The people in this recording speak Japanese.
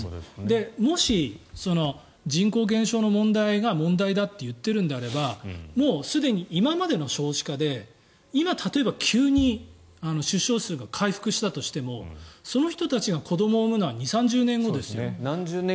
もし、人口減少の問題が問題だと言っているのであればもうすでに今までの少子化で今、例えば急に出生数が回復したとしてもその人たちが子どもを産むのは２０３０年後ですよ。